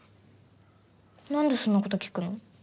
何でそんなこと聞くの？